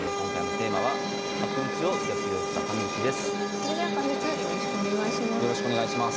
それでは解説よろしくお願いします。